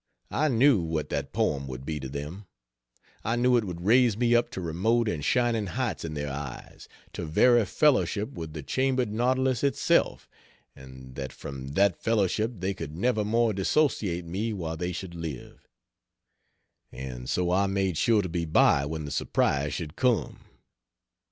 I knew what that poem would be to them; I knew it would raise me up to remote and shining heights in their eyes, to very fellowship with the chambered Nautilus itself, and that from that fellowship they could never more dissociate me while they should live; and so I made sure to be by when the surprise should come.